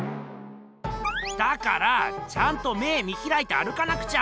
だからあちゃんと目見ひらいて歩かなくちゃ！